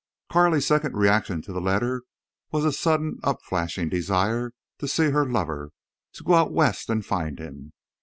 Carley's second reaction to the letter was a sudden upflashing desire to see her lover—to go out West and find him.